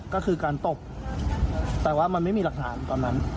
ก็คือการตบแต่ว่ามันไม่มีหลักฐานตอนนั้น